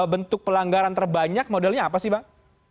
bentuk pelanggaran terbanyak modelnya apa sih bang